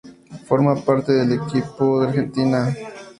Forma parte del equipo de Argentina.